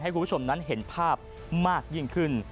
คุณผู้ชมนั้นเห็นภาพมากยิ่งขึ้น